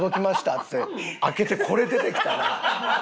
っつって開けてこれ出てきたら。